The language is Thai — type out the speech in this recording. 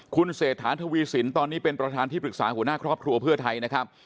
คุณเศรษฐาทวีสินตอนนี้เป็นประธานที่ปรึกษาหัวหน้าครอบครัวเพื่อไทยนะครับ